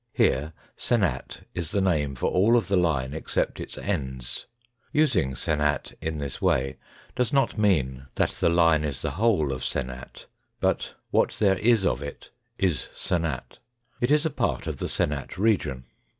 Here senat is the name for all of the line except its ends. Using " senat " in this way does not mean that the line is the whole of senat, but what there is of it is senat. It is a part of the senat region.